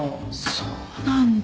そうなんだ。